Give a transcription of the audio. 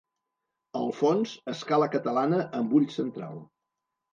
Al fons, escala catalana amb ull central.